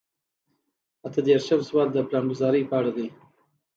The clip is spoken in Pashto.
اته دېرشم سوال د پلانګذارۍ په اړه دی.